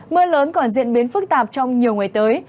mưa lớn còn diễn biến phức tạp trong nhiều ngày tới